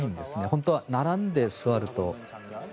本当は並んで座ると。